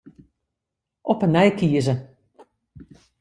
Op 'e nij kieze.